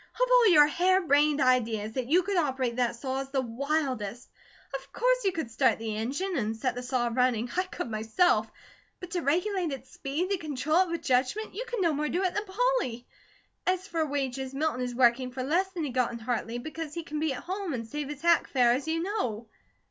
Of all your hare brained ideas, that you could operate that saw, is the wildest. Oh course you could start the engine, and set the saw running I could myself; but to regulate its speed, to control it with judgment, you could no more do it than Polly. As for wages, Milton is working for less than he got in Hartley, because he can be at home, and save his hack fare, as you know."